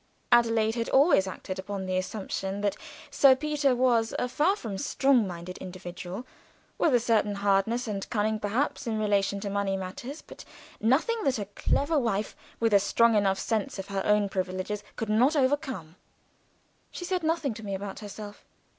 Adelaide had always acted upon the assumption that Sir Peter was a far from strong minded individual, with a certain hardness and cunning perhaps in relation to money matters, but nothing that a clever wife with a strong enough sense of her own privileges could not overcome. She said nothing to me about herself.